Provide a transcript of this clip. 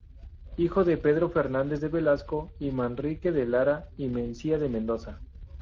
Hijo de Pedro Fernández de Velasco y Manrique de Lara y Mencía de Mendoza.